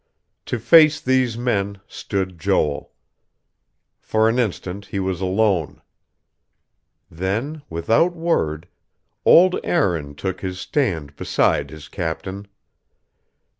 To face these men stood Joel. For an instant, he was alone. Then, without word, old Aaron took his stand beside his captain.